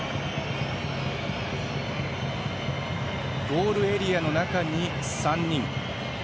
ゴールエリアの中に３人。